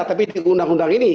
tapi di undang undang ini